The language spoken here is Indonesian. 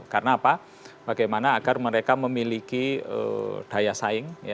karena apa bagaimana agar mereka memiliki daya saing